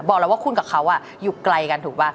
บอกแล้วว่าคุณกับเขาอยู่ไกลกันถูกป่ะ